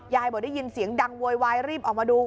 บอกได้ยินเสียงดังโวยวายรีบออกมาดู